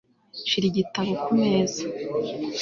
Shira igitabo ku meza